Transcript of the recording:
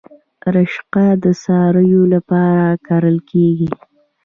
رشقه د څارویو لپاره کرل کیږي